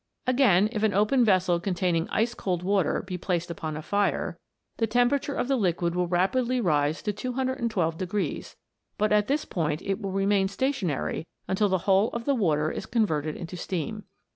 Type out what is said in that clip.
Again, if an open vessel containing ice cold water be placed upon a fii'e, the temperature of the liquid will rapidly rise to 212, but at this point it will remain stationary until the whole of the water is converted into steam.